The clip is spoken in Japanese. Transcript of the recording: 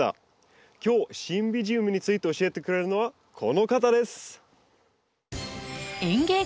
今日シンビジウムについて教えてくれるのはこの方です。